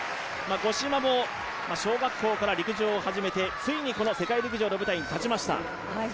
五島も小学校から陸上を始めて、ついにこの世界陸上の舞台に立ちました。